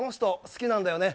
好きなんだよね。